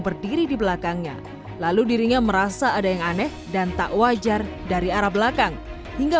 berdiri di belakangnya lalu dirinya merasa ada yang aneh dan tak wajar dari arah belakang hingga